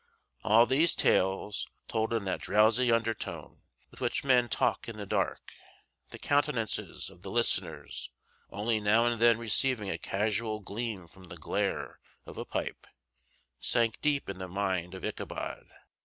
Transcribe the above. All these tales, told in that drowsy undertone with which men talk in the dark, the countenances of the listeners only now and then receiving a casual gleam from the glare of a pipe, sank deep in the mind of Ichabod.